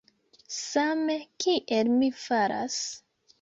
Same kiel mi faras?